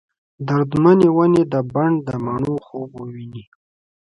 درد منې ونې د بڼ ، دمڼو خوب وویني